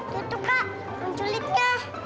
tuh tuh kak penculitnya